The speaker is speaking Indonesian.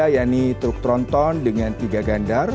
yaitu truk tronton dengan tiga gandar